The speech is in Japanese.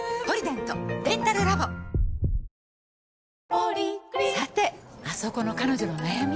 「ポリグリップ」さてあそこの彼女の悩み。